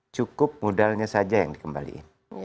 cukup modalnya saja yang dikembalikan